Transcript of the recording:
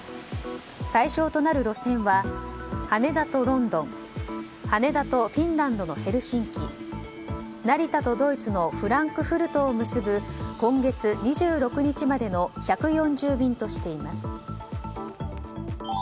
対象となる路線は羽田とロンドン羽田とフィンランドのヘルシンキ成田とドイツのフランクフルトを結ぶ今月２６日までの１４０便としています。